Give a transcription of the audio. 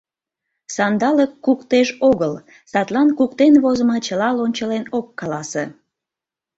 Сандалык куктеж огыл, садлан куктен возымо чыла лончылен ок каласе.